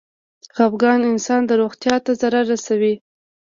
خپګان انسان د روغتيا ته ضرر رسوي.